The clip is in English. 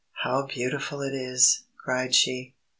"How beautiful it is!" cried she.